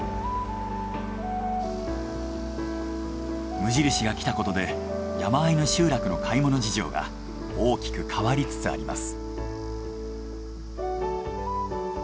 無印が来たことで山あいの集落の買い物事情が大きく変わりつつあります。